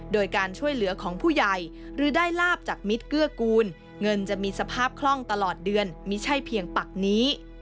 โดยการช่วยเหลือของผู้ใหญ่หรือได้ลาบจากมิตรเกื้อกูลเงินจะมีสภาพคล่องตลอดเดือนไม่ใช่เพียงปักนี้